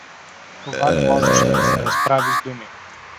Това не може да се разправи с думи.